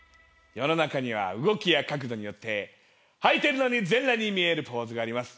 世の中には動きや角度によってはいてるのに全裸に見えるポーズがあります。